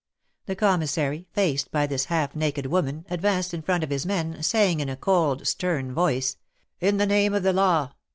The Commissary, faced by this half naked woman, ad vanced in front of his men, saying, in a cold, stern voice: In the Name of the Law